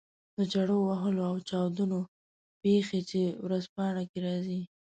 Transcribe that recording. د چړو وهلو او چاودنو پېښې چې ورځپاڼو کې راځي.